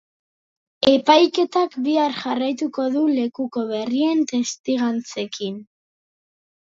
Epaiketak bihar jarraituko du lekuko berrien testigantzekin.